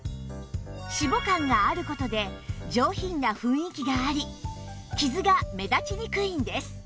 シボ感がある事で上品な雰囲気があり傷が目立ちにくいんです